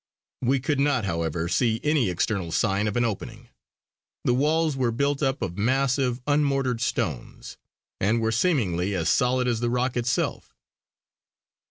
We could not, however, see any external sign of an opening; the walls were built up of massive unmortared stones, and were seemingly as solid as the rock itself.